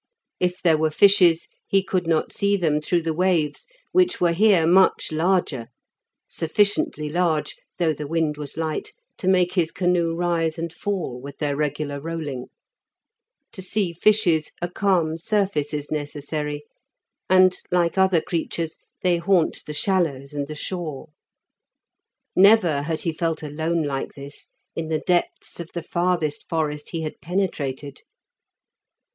If there were fishes he could not see them through the waves, which were here much larger; sufficiently large, though the wind was light, to make his canoe rise and fall with their regular rolling. To see fishes a calm surface is necessary, and, like other creatures, they haunt the shallows and the shore. Never had he felt alone like this in the depths of the farthest forest he had penetrated.